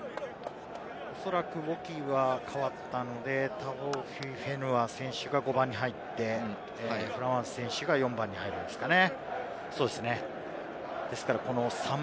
おそらくウォキは変わったのでタオフィフェヌア選手が５番に入って、フラマン選手が４番に入るんですかね。